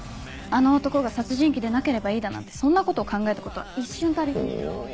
あの男が殺人鬼でなければいいだなんてそんなことを考えたことは一瞬たり。